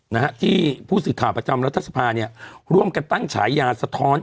นะฮะที่ผู้สื่อข่าวประจำรัฐสภาเนี่ยร่วมกันตั้งฉายาสะท้อน